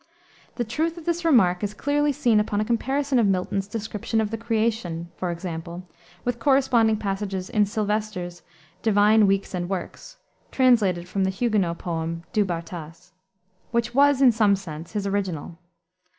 The truth of this remark is clearly seen upon a comparison of Milton's description of the creation, for example, with corresponding passages in Sylvester's Divine Weeks and Works (translated from the Huguenot poet, Du Bartas), which was, in some sense, his original.